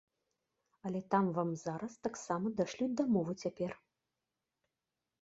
Але там вам зараз таксама дашлюць дамову цяпер.